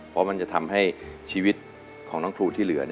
เพราะมันจะทำให้ชีวิตของน้องครูที่เหลือ